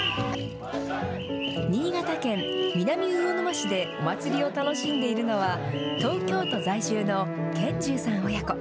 新潟県南魚沼市でお祭りを楽しんでいるのは、東京都在住の劔重さん親子。